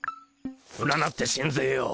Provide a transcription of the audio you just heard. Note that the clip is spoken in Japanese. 占ってしんぜよう。